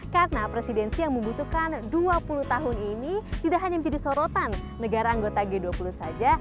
karena presidensi yang membutuhkan dua puluh tahun ini tidak hanya menjadi sorotan negara anggota g dua puluh saja